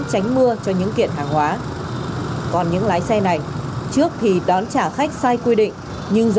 cao hơn là bao nhiêu